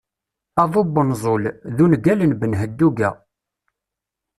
"Aḍu n wenẓul" d ungal n Ben Hedduga.